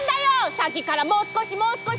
さっきからもうすこしもうすこし！